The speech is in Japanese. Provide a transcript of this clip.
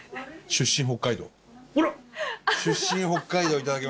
出身北海道頂きました。